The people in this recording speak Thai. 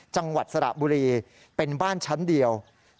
จังหวัดสระบุรีเป็นบ้านชั้นเดียว